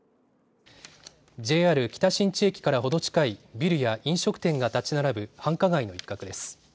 ＪＲ北新地駅から程近いビルや飲食店が建ち並ぶ繁華街の一角です。